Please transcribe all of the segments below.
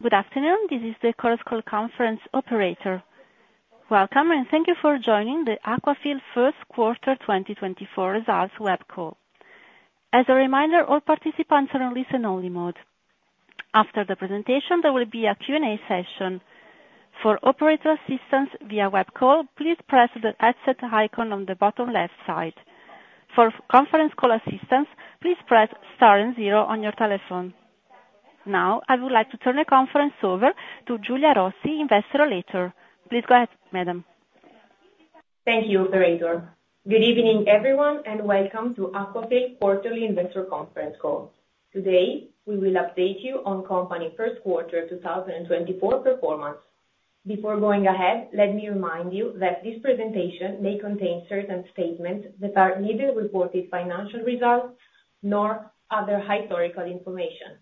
Welcome. Thank you for joining the Aquafil first quarter 2024 results web call. As a reminder, all participants are on listen-only mode. After the presentation, there will be a Q&A session. For operator assistance via web call, please press the headset icon on the bottom left side. For conference call assistance, please press star and zero on your telephone. I would like to turn the conference over to Giulia Rossi, Investor Relator. Please go ahead, madam. Thank you, operator. Good evening, everyone. Welcome to Aquafil quarterly investor conference call. Today, we will update you on company first quarter 2024 performance. Before going ahead, let me remind you that this presentation may contain certain statements that are neither reported financial results nor other historical information.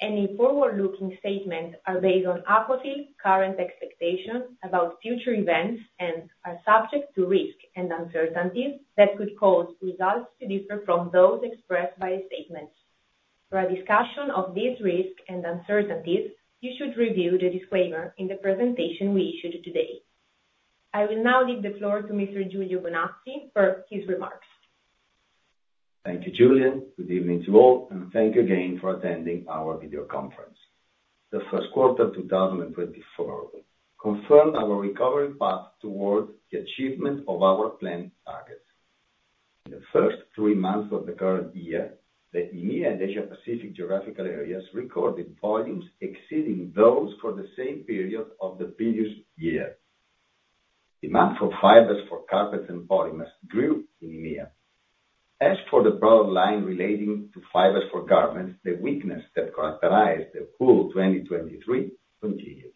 Any forward-looking statements are based on Aquafil's current expectations about future events and are subject to risks and uncertainties that could cause results to differ from those expressed by the statements. For a discussion of these risks and uncertainties, you should review the disclaimer in the presentation we issued today. I will leave the floor to Mr. Giulio Bonazzi for his remarks. Thank you, Giulia. Good evening to all. Thank you again for attending our video conference. The first quarter of 2024 confirmed our recovery path towards the achievement of our planned targets. In the first three months of the current year, the EMEA and Asia Pacific geographical areas recorded volumes exceeding those for the same period of the previous year. Demand for fibers for carpets and polymers grew in EMEA. As for the product line relating to fibers for garments, the weakness that characterized the full 2023 continued.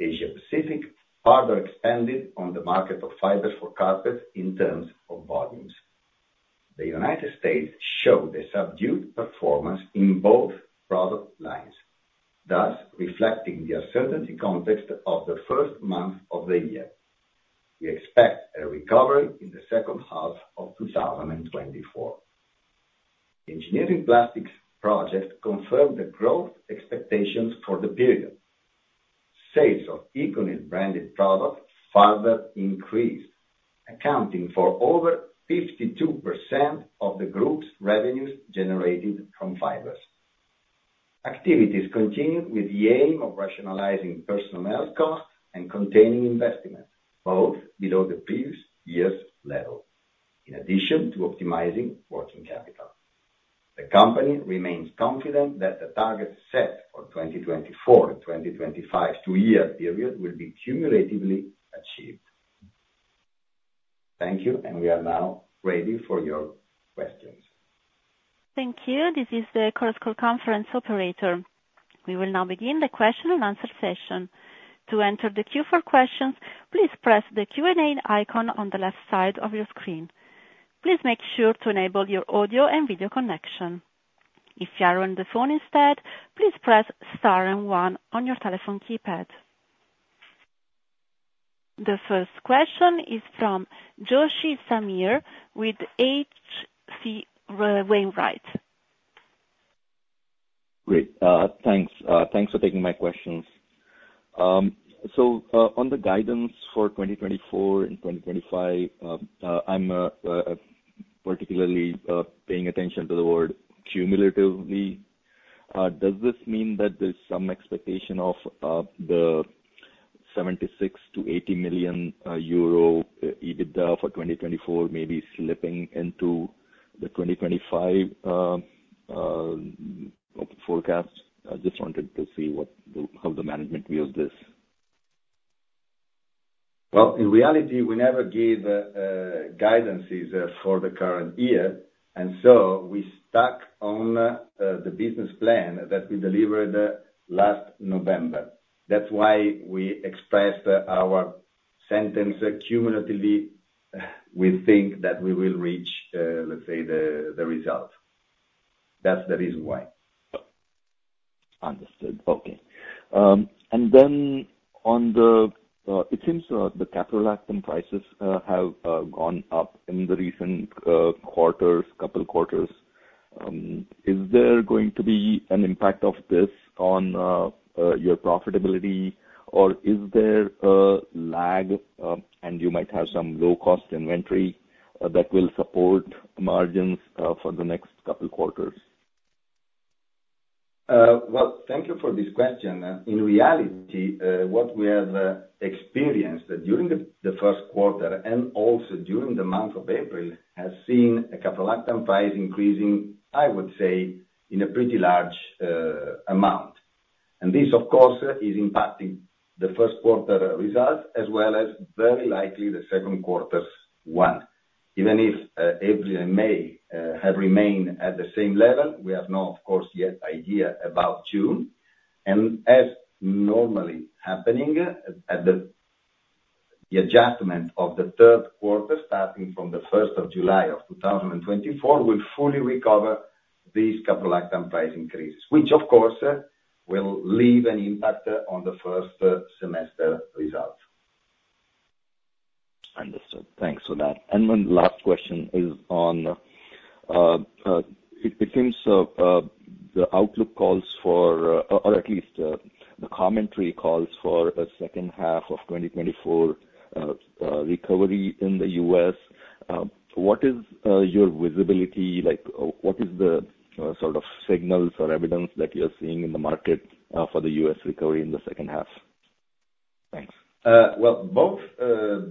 Asia Pacific further expanded on the market for fibers for carpets in terms of volumes. The U.S. showed a subdued performance in both product lines, thus reflecting the uncertainty context of the first month of the year. We expect a recovery in the second half of 2024. Engineering Plastics project confirmed the growth expectations for the period. Sales of ECONYL-branded products further increased, accounting for over 52% of the group's revenues generated from fibers. Activities continued with the aim of rationalizing personnel costs and containing investments, both below the previous year's level, in addition to optimizing working capital. The company remains confident that the targets set for 2024 to 2025 two-year period will be cumulatively achieved. Thank you. We are now ready for your questions. Thank you. This is the conference call operator. We will now begin the question and answer session. To enter the queue for questions, please press the Q&A icon on the left side of your screen. Please make sure to enable your audio and video connection. If you're on the phone instead, please press star and one on your telephone keypad. The first question is from Joshi Samir with H.C. Wainwright. Great. Thanks for taking my questions. On the guidance for 2024 and 2025, I'm particularly paying attention to the word cumulatively. Does this mean that there's some expectation of the 76 million-80 million euro EBITDA for 2024 maybe slipping into the 2025 forecasts? I just wanted to see how the management views this. In reality, we never give guidances for the current year, and so we stuck on the business plan that we delivered last November. That's why we expressed our sentence cumulatively. We think that we will reach the result. That's the reason why. Understood. Okay. It seems the caprolactam prices have gone up in the recent couple quarters. Is there going to be an impact of this on your profitability, or is there a lag, and you might have some low-cost inventory that will support margins for the next couple quarters? Well, thank you for this question. In reality, what we have experienced during the first quarter and also during the month of April, has seen a caprolactam price increasing, I would say, in a pretty large amount. This, of course, is impacting the first quarter results as well as very likely the second quarter one. Even if April and May have remained at the same level, we have no, of course, yet idea about June. As normally happening at the adjustment of the third quarter, starting from the 1st of July of 2024, will fully recover these caprolactam price increases, which of course will leave an impact on the first semester results. Understood. Thanks for that. One last question is on, it seems the outlook calls for, or at least the commentary calls for a second half of 2024 recovery in the U.S. What is your visibility? What is the sort of signals or evidence that you're seeing in the market for the U.S. recovery in the second half? Thanks. Well, both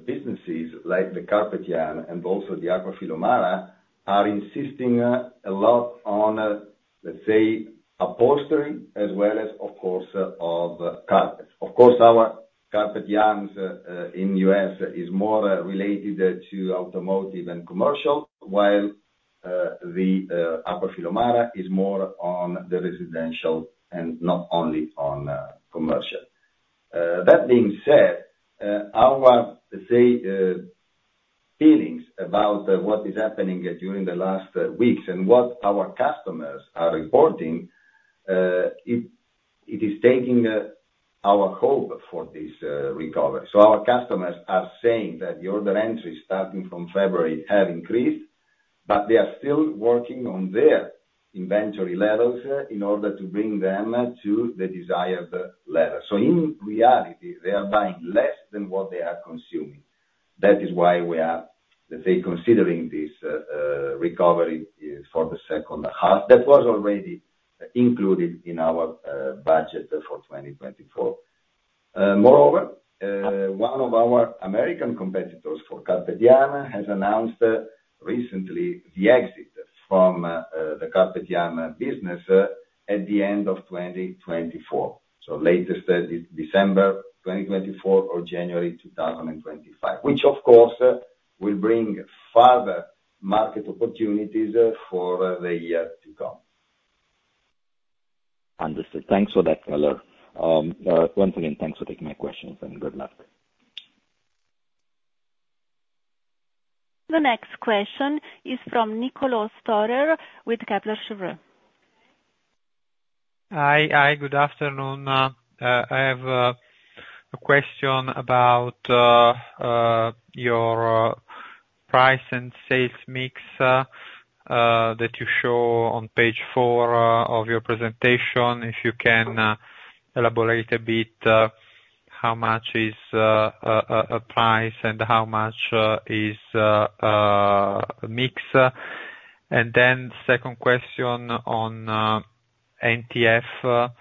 businesses like the Carpet Yarn and also the Aquafil O'Mara are insisting a lot on, let's say, upholstery as well as, of course, carpets. Of course, our Carpet Yarns in U.S. is more related to automotive and commercial, while the Aquafil O'Mara is more on the residential and not only on commercial. That being said, our feelings about what is happening during the last weeks and what our customers are reporting, it is taking our hope for this recovery. Our customers are saying that the order entries starting from February have increased, but they are still working on their inventory levels in order to bring them to the desired level. In reality, they are buying less than what they are consuming. That is why we are considering this recovery for the second half. That was already included in our budget for 2024. Moreover, one of our American competitors for Carpet Yarn has announced recently the exit from the Carpet Yarn business at the end of 2024. Latest December 2024 or January 2025, which of course, will bring further market opportunities for the year to come. Understood. Thanks for that color. Once again, thanks for taking my questions and good luck. The next question is from Niccolò Storer with Kepler Cheuvreux. Hi. Good afternoon. I have a question about your price and sales mix that you show on page four of your presentation. If you can elaborate a bit, how much is a price and how much is a mix? Second question on NTF,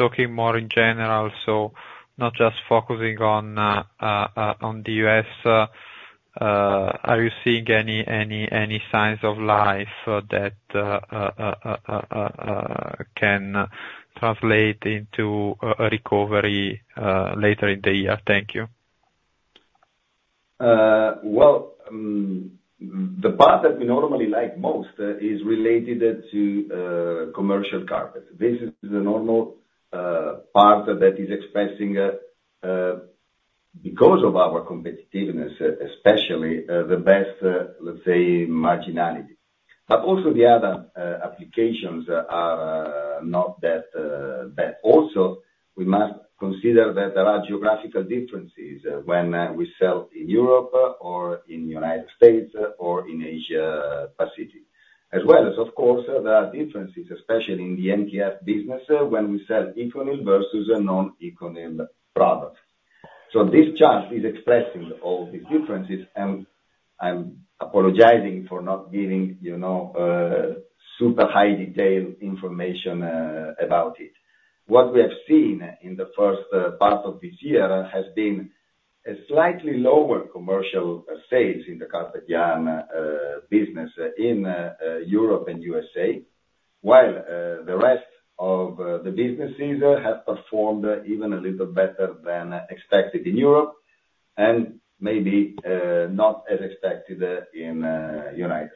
talking more in general, so not just focusing on the U.S. Are you seeing any signs of life that can translate into a recovery later in the year? Thank you. Well, the part that we normally like most is related to commercial carpet. This is the normal part that is expressing, because of our competitiveness, especially, the best, let's say, marginality. Also, the other applications are not that. We must consider that there are geographical differences when we sell in Europe or in the United States or in Asia Pacific, as well as of course, there are differences, especially in the NTF business when we sell ECONYL versus a non-ECONYL product. This chart is expressing all these differences, and I'm apologizing for not giving super high detail information about it. What we have seen in the first part of this year has been a slightly lower commercial sales in the Carpet Yarn business in Europe and U.S., while the rest of the businesses have performed even a little better than expected in Europe and maybe not as expected in U.S.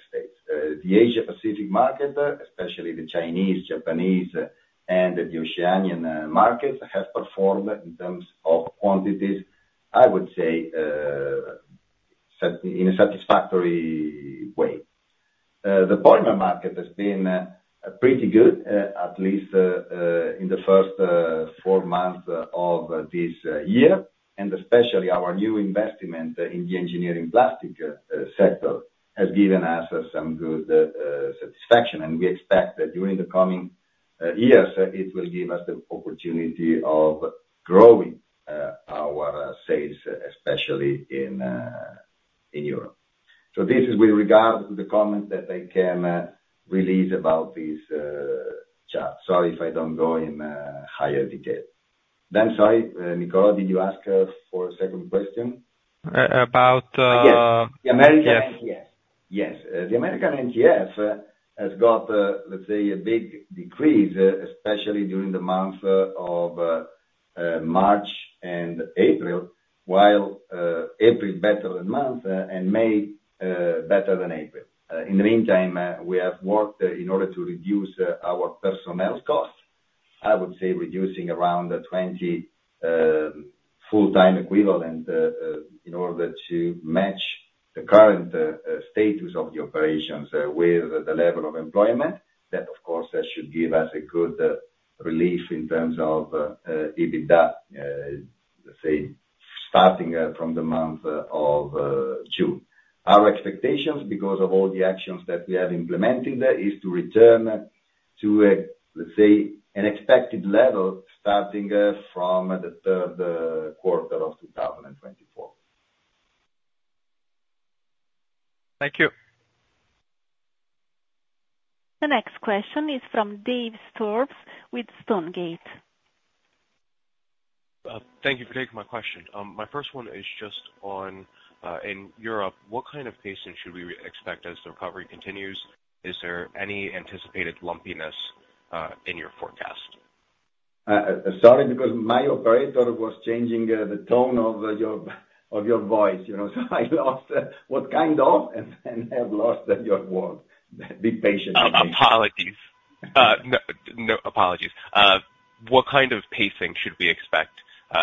The Asia Pacific market, especially the Chinese, Japanese, and the Oceanian markets, have performed in terms of quantities, I would say, in a satisfactory way. The polymer market has been pretty good, at least in the first four months of this year, and especially our new investment in the Engineering Plastics sector has given us some good satisfaction, and we expect that during the coming years, it will give us the opportunity of growing our sales, especially in Europe. This is with regard to the comment that I can release about this chart. Sorry if I don't go in higher detail. I'm sorry, Niccolò, did you ask for a second question? About- Yes. The American NTF. Yes. The American NTF has got, let's say, a big decrease, especially during the month of March and April, while April better than month and May better than April. In the meantime, we have worked in order to reduce our personnel costs, I would say reducing around 20 full-time equivalent in order to match the current status of the operations with the level of employment, that of course, should give us a good relief in terms of EBITDA, let's say, starting from the month of June. Our expectations, because of all the actions that we are implementing there, is to return to, let's say, an expected level starting from the third quarter of 2024. Thank you. The next question is from Dave Sturz with Stonegate. Thank you for taking my question. My first one is just on, in Europe, what kind of pacing should we expect as the recovery continues? Is there any anticipated lumpiness in your forecast? Sorry, because my operator was changing the tone of your voice, so I lost what kind of, and then I've lost your word. Be patient with me. Apologies. What kind of pacing should we expect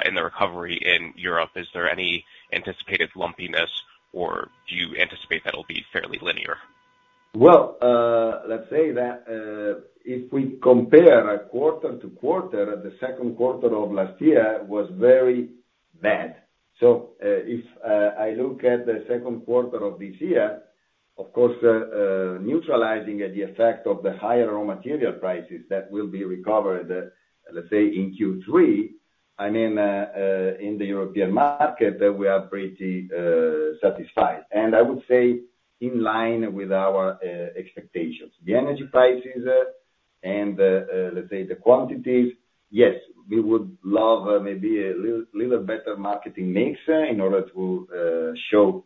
in the recovery in Europe? Is there any anticipated lumpiness or do you anticipate that'll be fairly linear? Well, let's say that if we compare quarter-over-quarter, the second quarter of last year was very bad. If I look at the second quarter of this year, of course, neutralizing the effect of the higher raw material prices that will be recovered, let's say in Q3, in the European market, we are pretty satisfied. I would say in line with our expectations. The energy prices and, let's say, the quantities, yes, we would love maybe a little better marketing mix in order to show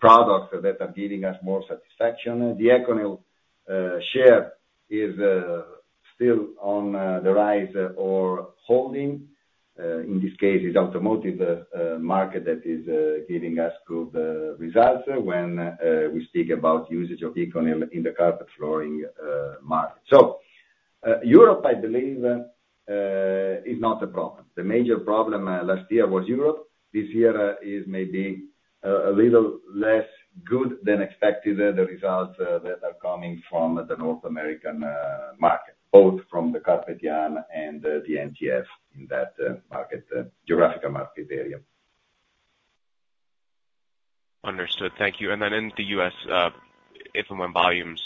products that are giving us more satisfaction. The ECONYL share is still on the rise or holding. In this case, it's automotive market that is giving us good results when we speak about usage of ECONYL in the carpet flooring market. Europe, I believe, is not a problem. The major problem last year was Europe. This year is maybe a little less good than expected, the results that are coming from the North American market, both from the Carpet Yarns and the NTF in that geographical market area. Understood. Thank you. In the U.S., if and when volumes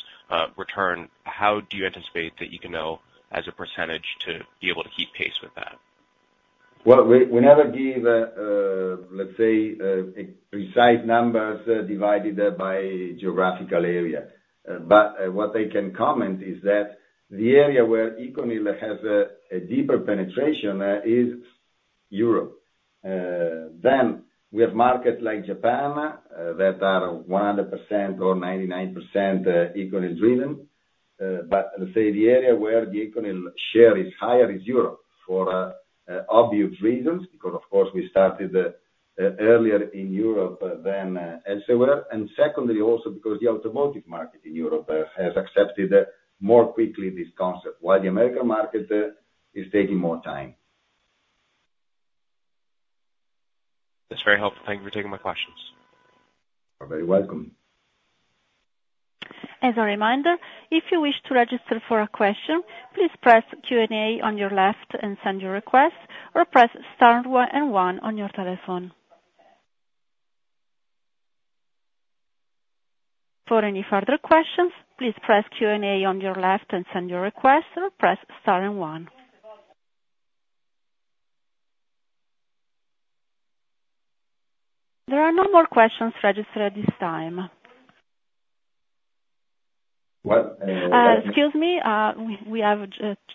return, how do you anticipate that you can know as a % to be able to keep pace with that? Well, we never give, let's say, precise numbers divided by geographical area. What I can comment is that the area where ECONYL has a deeper penetration is Europe. We have markets like Japan that are 100% or 99% ECONYL driven. Let's say the area where the ECONYL share is higher is Europe, for obvious reasons, because of course, we started earlier in Europe than elsewhere. Secondly, also because the automotive market in Europe has accepted more quickly this concept, while the American market is taking more time. That's very helpful. Thank you for taking my questions. You're very welcome. As a reminder, if you wish to register for a question, please press Q&A on your left and send your request, or press star and one on your telephone. For any further questions, please press Q&A on your left and send your request, or press star and one. There are no more questions registered at this time. What? Excuse me. We have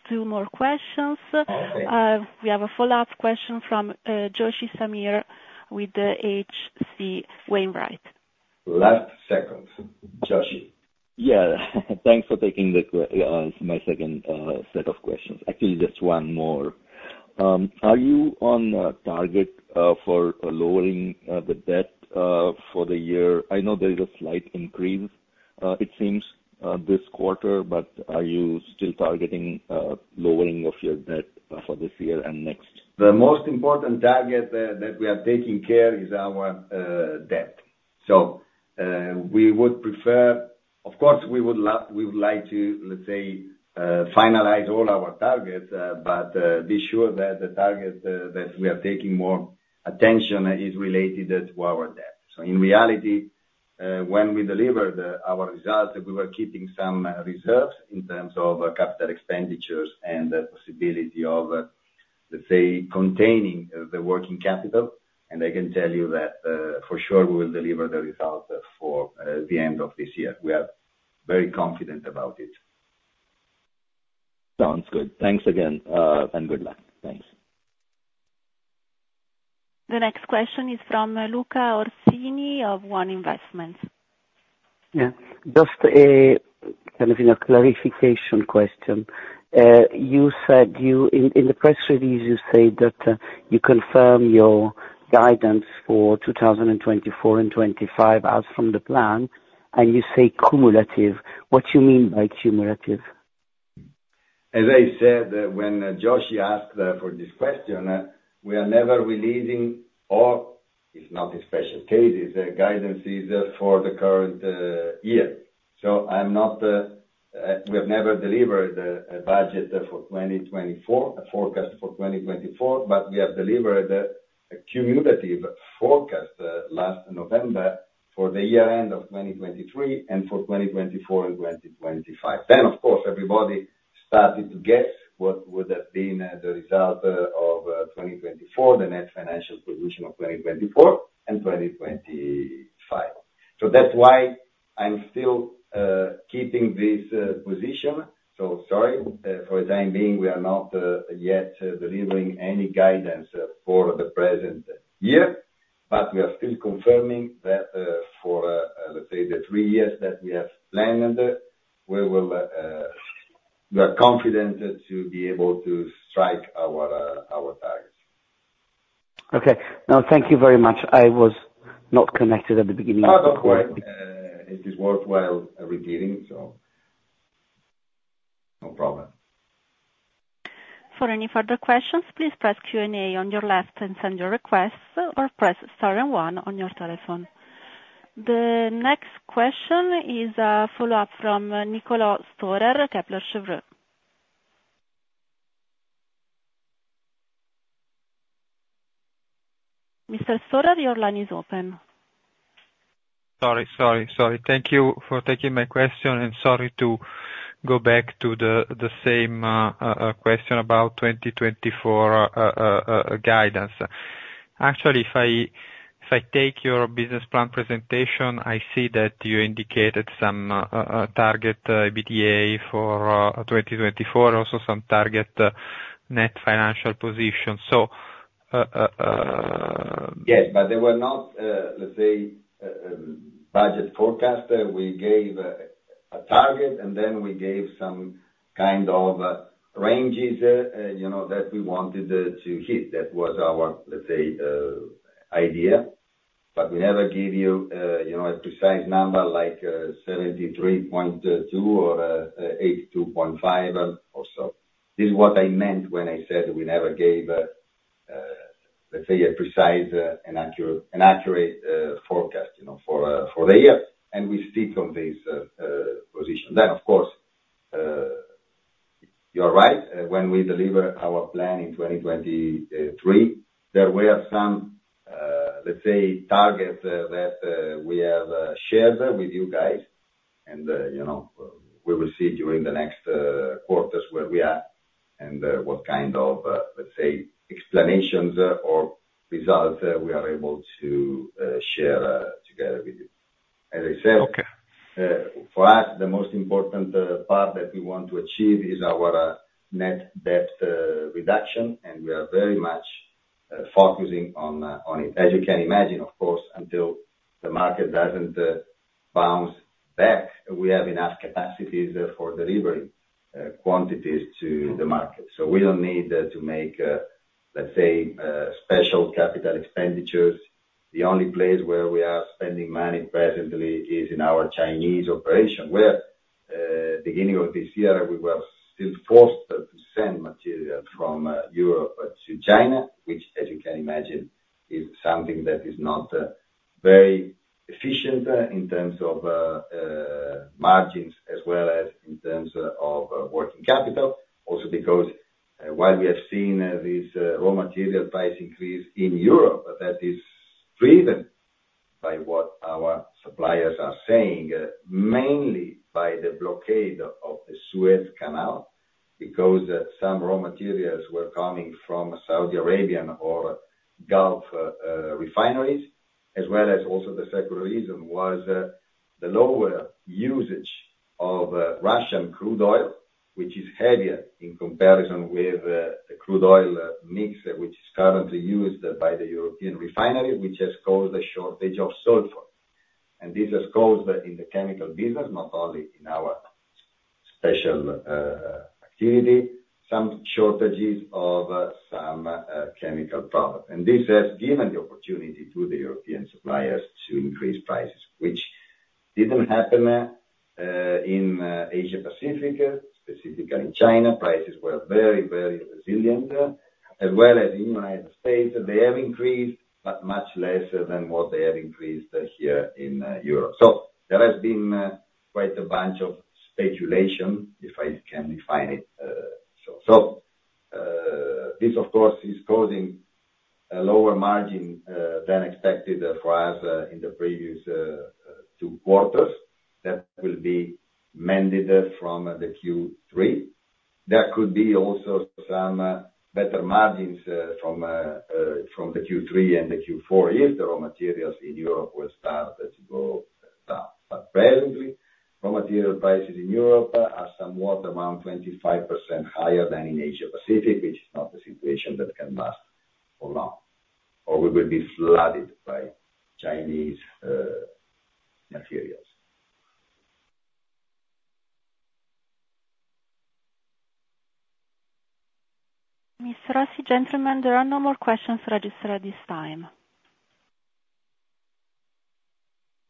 two more questions. Okay. We have a follow-up question from Joshi Samir with the H.C. Wainwright & Co. Last second. Joshi. Thanks for taking my second set of questions. Actually, just one more. Are you on target for lowering the debt for the year? I know there is a slight increase, it seems, this quarter, but are you still targeting lowering of your debt for this year and next? The most important target that we are taking care is our debt. Of course, we would like to, let's say, finalize all our targets, but be sure that the target that we are taking more attention is related to our debt. In reality, when we deliver our results, we were keeping some reserves in terms of capital expenditures and the possibility of, let's say, containing the working capital. I can tell you that for sure, we will deliver the results for the end of this year. We are very confident about it. Sounds good. Thanks again, and good luck. Thanks. The next question is from Luca Orsini of One Investments. Yeah. Just a clarification question. In the press release, you said that you confirm your guidance for 2024 and 2025 as from the plan, and you say cumulative. What do you mean by cumulative? As I said, when Joshi asked for this question, we are never releasing, or if not in special cases, guidances for the current year. We have never delivered a budget for 2024, a forecast for 2024, but we have delivered a cumulative forecast last November for the year end of 2023 and for 2024 and 2025. Of course, everybody started to guess what would have been the result of 2024, the net financial position of 2024 and 2025. That's why I'm still keeping this position. Sorry, for the time being, we are not yet delivering any guidance for the present year, but we are still confirming that for, let's say, the three years that we have planned, we are confident to be able to strike our targets. Okay. No, thank you very much. I was not connected at the beginning of the call. Oh, no worry. It is worthwhile repeating, no problem. For any further questions, please press Q&A on your left and send your requests, or press star and one on your telephone. The next question is a follow-up from Nicolo Storer, Kepler Cheuvreux. Mr. Storer, your line is open. Sorry. Thank you for taking my question, sorry to go back to the same question about 2024 guidance. Actually, if I take your business plan presentation, I see that you indicated some target EBITDA for 2024, also some target net financial position. Yes, they were not, let's say, budget forecast. We gave a target, we gave some kind of ranges that we wanted to hit. That was our, let's say, idea. We never give you a precise number like, 73.2 or 82.5 or so. This is what I meant when I said we never gave, let's say, a precise and accurate forecast for the year, we stick on this position. Of course, you are right. When we deliver our plan in 2023, there were some, let's say, targets that we have shared with you guys, we will see during the next quarters where we are and what kind of, let's say, explanations or results we are able to share together with you. Okay for us, the most important part that we want to achieve is our net debt reduction, we are very much focusing on it. As you can imagine, of course, until the market doesn't bounce back, we have enough capacities for delivering quantities to the market. We don't need to make, let's say, special capital expenditures. The only place where we are spending money presently is in our Chinese operation, where beginning of this year, we were still forced to send material from Europe to China, which, as you can imagine, is something that is not very efficient in terms of margins as well as in terms of working capital. Also because while we have seen this raw material price increase in Europe, that is driven by what our suppliers are saying, mainly by the blockade of the Suez Canal, because some raw materials were coming from Saudi Arabian or Gulf refineries, as well as also the second reason was the lower usage of Russian crude oil, which is heavier in comparison with the crude oil mix, which is currently used by the European refinery, which has caused a shortage of sulfur. This has caused, in the chemical business, not only in our special activity, some shortages of some chemical product. This has given the opportunity to the European suppliers to increase prices, which didn't happen in Asia Pacific, specifically China. Prices were very resilient. As well as in the U.S., they have increased, but much lesser than what they have increased here in Europe. There has been quite a bunch of speculation, if I can define it. This, of course, is causing a lower margin than expected for us in the previous two quarters. That will be mended from the Q3. There could be also some better margins from the Q3 and the Q4 if the raw materials in Europe will start to go down. Presently, raw material prices in Europe are somewhat around 25% higher than in Asia Pacific, which is not the situation that can last for long, or we will be flooded by Chinese materials. Mr. Rossi, gentlemen, there are no more questions registered at this time.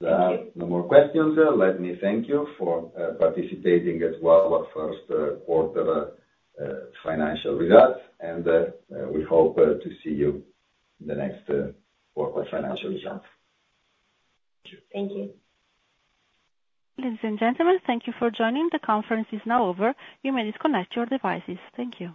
There are no more questions. Let me thank you for participating as well our first quarter financial results. We hope to see you in the next quarter financial results. Thank you. Thank you. Ladies and gentlemen, thank you for joining. The conference is now over. You may disconnect your devices. Thank you.